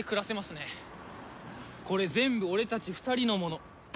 これ全部俺たち２人のもの。